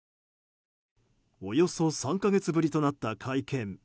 およそ３か月ぶりとなった会見。